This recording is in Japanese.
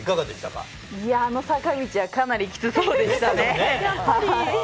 あの坂道はかなりきつそうでしたね。